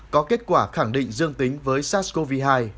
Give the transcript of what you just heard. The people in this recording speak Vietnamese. có kết quả khẳng định dương tính với sars cov hai